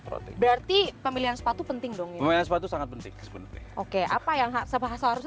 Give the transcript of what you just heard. troti berarti pemilihan sepatu penting dong ya sepatu sangat penting oke apa yang sebahasa harus